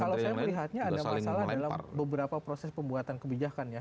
kalau saya melihatnya ada masalah dalam beberapa proses pembuatan kebijakan ya